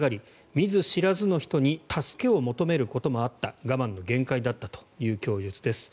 見ず知らずの人に助けを求めることもあった我慢の限界だったという供述です。